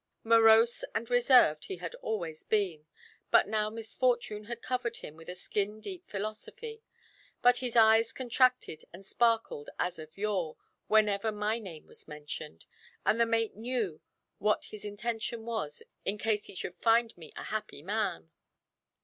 Morose and reserved he had always been; but now misfortune had covered him with a skin deep philosophy. But his eyes contracted and sparkled as of yore, whenever my name was mentioned; and the mate knew what his intention was, in case he should find me a happy man.